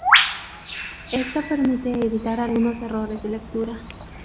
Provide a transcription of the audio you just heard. Esto permite evitar algunos errores de lectura.